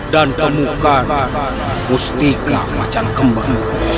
dan temukan mustika macan kembar